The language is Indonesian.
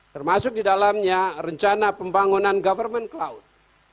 termasuk di dalamnya rencana pembangunan government cloud